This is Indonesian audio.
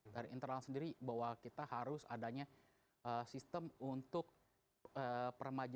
dari internal sendiri bahwa kita harus adanya sistem untuk permainan